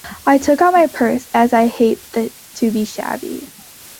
I took out my purse, as I hate to be shabby.